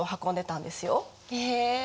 へえ。